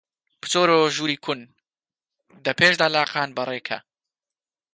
بچۆرەوە ژووری کون، دە پێشدا لاقان بەڕێ کە!